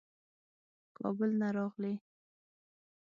کابل نه راغلی.